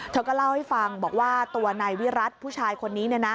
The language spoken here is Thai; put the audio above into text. เธอก็เล่าให้ฟังบอกว่าตัวนายวิรัติผู้ชายคนนี้